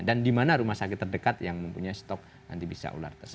dan di mana rumah sakit terdekat yang mempunyai stok anti bisa ular tersebut